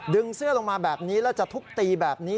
เสื้อลงมาแบบนี้แล้วจะทุบตีแบบนี้